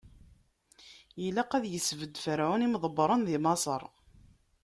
Ilaq ad isbedd Ferɛun imḍebbren di Maṣer;